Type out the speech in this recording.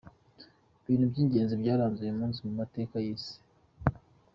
Ibintu by’ingenzi byaranze uyu munsi mu matka y’isi:.